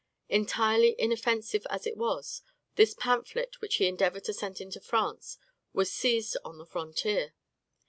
Entirely inoffensive as it was, this pamphlet, which he endeavored to send into France, was seized on the frontier.